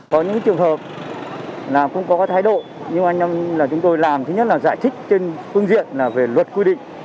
có những trường hợp là cũng có thái độ nhưng mà chúng tôi làm thứ nhất là giải trích trên phương diện là về luật quy định